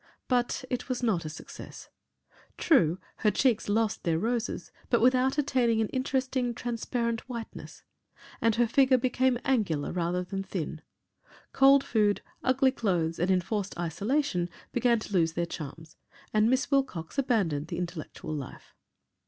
But it was not a success. True, her cheeks lost their roses, but without attaining an interesting transparent whiteness and her figure became angular, rather than thin. Cold food, ugly clothes and enforced isolation began to lose their charms and Miss Wilcox abandoned the intellectual life.